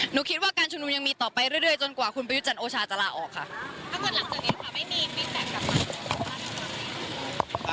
หนูคิดว่าการชุมนุมยังมีต่อไปเรื่อยเรื่อยจนกว่าคุณประยุจรรย์โอชาจะละออกค่ะ